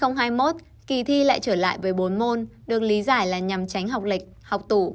năm hai nghìn hai mươi một kỳ thi lại trở lại với bốn môn được lý giải là nhằm tránh học lịch học tủ